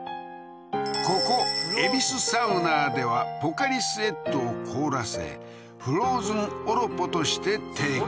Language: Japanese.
ここ恵比寿サウナーではポカリスエットを凍らせフローズンオロポとして提供